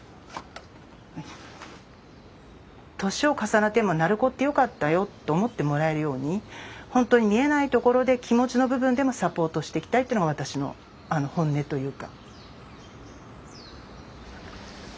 年を重ねても「鳴子ってよかったよ」と思ってもらえるようにほんとに見えないところで気持ちの部分でもサポートしていきたいっていうのが私の本音というか。